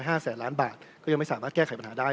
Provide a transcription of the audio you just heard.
แสนล้านบาทก็ยังไม่สามารถแก้ไขปัญหาได้